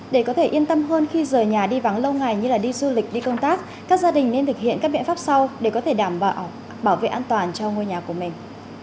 để có thể yên tâm hơn khi rời nhà đi vắng lâu ngày như đi du lịch đi công tác các gia đình nên thực hiện các biện pháp sau để có thể đảm bảo bảo vệ an toàn cho ngôi nhà của mình